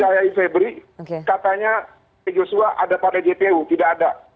jangan mau mempercayai febri katanya yosua ada pada jpu tidak ada